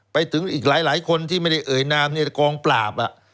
ไปถึงอีกหลายคนที่ไม่ได้เอ่ยนามในกองปราบ